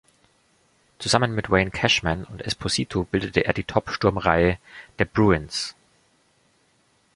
Zusammen mit Wayne Cashman und Esposito bildete er die Top-Sturmreihe der Bruins.